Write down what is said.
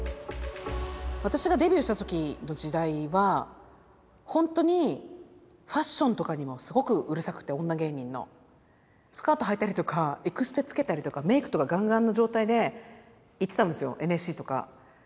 私がデビューした時の時代は本当にファッションとかにもすごくうるさくて女芸人の。スカートはいたりとかエクステつけたりとかメークとかガンガンの状態で行ってたんですよＮＳＣとか。